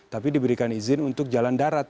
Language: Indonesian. tapi diberikan izin untuk jalan darat